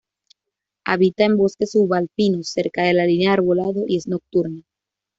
Habita en bosques subalpinos cerca de la línea de arbolado y es nocturna.